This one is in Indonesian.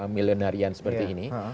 milenarian seperti ini